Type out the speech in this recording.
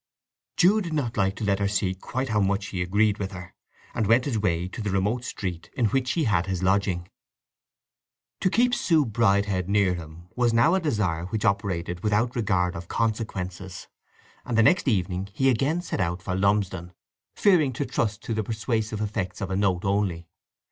Jude did not like to let her see quite how much he agreed with her, and went his way to the remote street in which he had his lodging. To keep Sue Bridehead near him was now a desire which operated without regard of consequences, and the next evening he again set out for Lumsdon, fearing to trust to the persuasive effects of a note only.